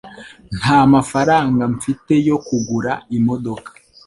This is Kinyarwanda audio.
Nta mafaranga mfite yo kugura imodoka